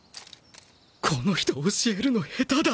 この人教えるの下手だ